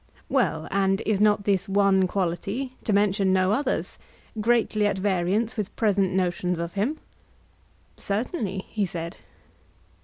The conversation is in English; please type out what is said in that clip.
Well, and is not this one quality, to mention no others, greatly at variance with present notions of him? Certainly, he said.